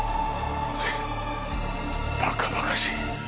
バカバカしい。